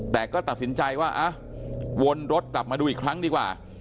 แต่ก็ตัดสินใจว่าวนรถกลับมาดูอีกครั้งดีกว่า